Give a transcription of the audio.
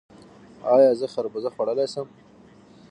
ایا زه خربوزه خوړلی شم؟